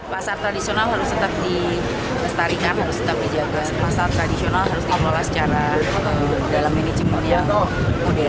pasar tradisional harus tetap dilestarikan harus tetap dijaga pasar tradisional harus dikelola secara dalam manajemen modern